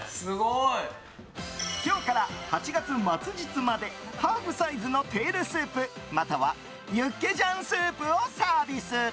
今日から８月末日までハーフサイズのテールスープまたは、ユッケジャンスープをサービス！